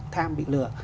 tham bị lừa